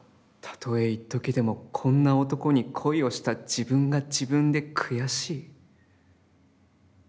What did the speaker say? たとえ一時でも、こんな男に恋をした自分が自分で口惜しい、とね。